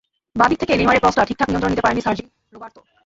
বাঁ দিক থেকে নেইমারের ক্রসটা ঠিকঠাক নিয়ন্ত্রণে নিতে পারেননি সার্জি রবার্তো।